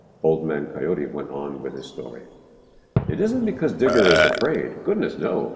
Old Man Coyote went on with his story. "It isn't because Digger is afraid. Goodness, no!